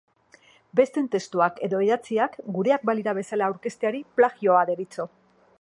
Besteen testuak edo idatziak gureak balira bezala aurkezteari plagioa deritzo.